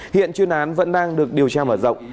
hiện chuyên án vẫn đang được điều tra mở rộng